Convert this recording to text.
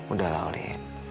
udah lah oli